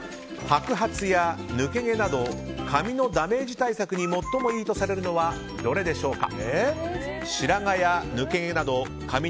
白髪や抜け毛など髪のダメージ対策に最もいいとされるのはどれでしょうか。